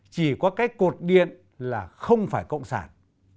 chỉ có cái cột điện là không phải cộng sản